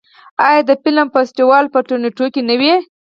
آیا د فلم فستیوال په تورنټو کې نه وي؟